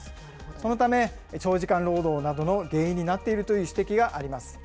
そのため、長時間労働などの原因になっているという指摘があります。